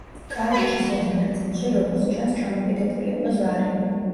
კარიბჭის ზედა ნაწილში, როგორც ჩანს, ჩამოკიდებული იყო ზარი.